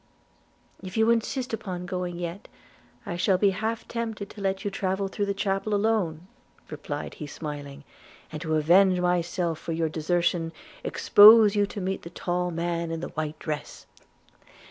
'If you insist upon going yet, I shall be half tempted to let you travel through the chapel alone,' replied he smiling, 'and, to revenge myself for your desertion, expose you to meet the tall man in the white dress.'